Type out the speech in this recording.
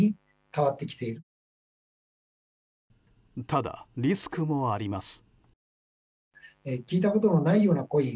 ただ、リスクもあります。